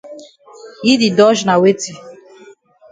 Yi di dodge na weti?